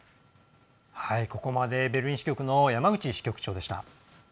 ここまでベルリン支局の山口支局長でした。